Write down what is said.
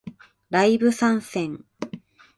ライブ参戦